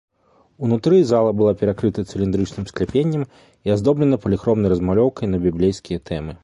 Унутры зала была перакрыта цыліндрычным скляпеннем і аздоблена паліхромнай размалёўкай на біблейскія тэмы.